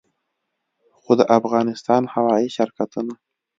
خو د افغانستان هوايي شرکتونه